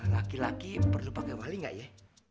laki laki perlu pakai wali nggak ya